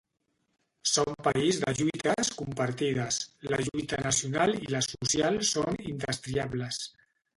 Som país de lluites compartides: la lluita nacional i la social són indestriables.